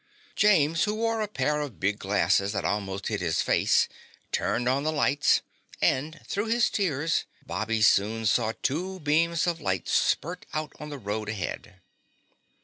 James, who wore a pair of big glasses that almost hid his face, turned on the lights, and, through his tears, Bobby soon saw two beams of light spurt out on the road ahead.